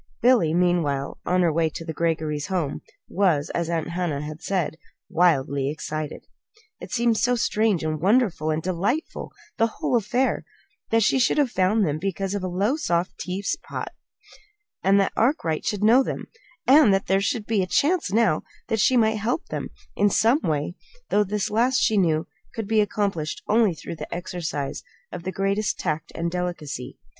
Billy, meanwhile, on her way to the Greggory home, was, as Aunt Hannah had said, "wildly excited." It seemed so strange and wonderful and delightful the whole affair: that she should have found them because of a Lowestoft teapot, that Arkwright should know them, and that there should be the chance now that she might help them in some way; though this last, she knew, could be accomplished only through the exercise of the greatest tact and delicacy.